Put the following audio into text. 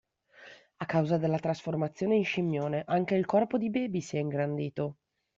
A causa della trasformazione in Scimmione, anche il corpo di Baby si è ingrandito.